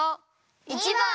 １ばん！